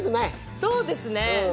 そうですね。